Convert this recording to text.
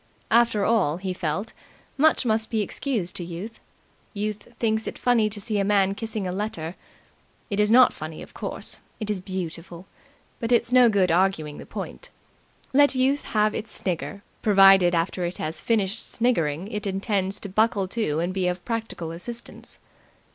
After all, he felt, much must be excused to Youth. Youth thinks it funny to see a man kissing a letter. It is not funny, of course; it is beautiful; but it's no good arguing the point. Let Youth have its snigger, provided, after it has finished sniggering, it intends to buckle to and be of practical assistance.